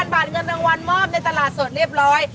บาทเงินรางวัลมอบในตลาดสดเรียบร้อย